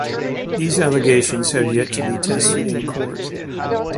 These allegations have yet to be tested in court.